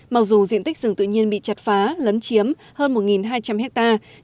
mặc dù diện tích rừng tự nhiên bị chặt phá lấn chiếm hơn một hai trăm linh hectare